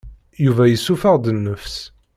Yuba yessuffeɣ-d nnefs.